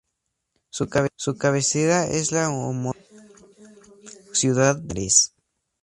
Su cabecera es la homónima ciudad de Palmares.